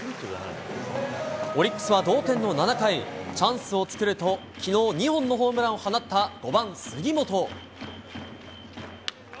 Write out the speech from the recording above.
オリックスは同点の７回、チャンスを作ると、きのう２本のホームランを放った５番杉本。